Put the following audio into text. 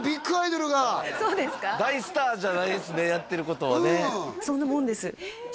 大スターじゃないんすねやってることはねそんなもんです